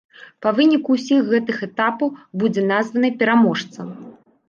Па выніку ўсіх гэтых этапаў будзе названы пераможца.